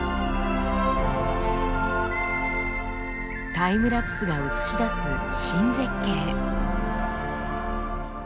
タイムラプスが映し出す新絶景。